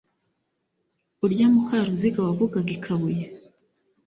Urya Mukaruziga Wavukaga i Kabuye;